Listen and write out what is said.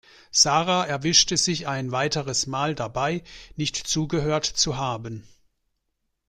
Sarah erwischte sich ein weiteres Mal dabei, nicht zugehört zu haben.